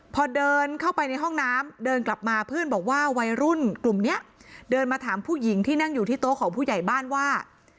พอเดินเข้าไปในห้องน้ำเดินกลับมาเพื่อนบอกว่าวัยรุ่นกลุ่มนี้เดินมาถามผู้หญิงที่นั่งอยู่ที่โต๊ะของผู้ใหญ่บ้านว่า